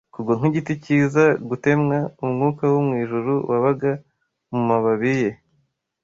kugwa 'nk'igiti cyiza, gutemwa; Umwuka wo mwijuru wabaga mumababi ye